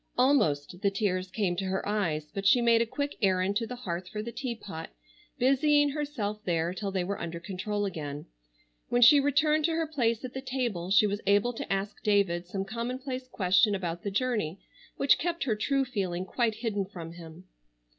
Almost the tears came to her eyes, but she made a quick errand to the hearth for the teapot, busying herself there till they were under control again. When she returned to her place at the table she was able to ask David some commonplace question about the journey which kept her true feeling quite hidden from him.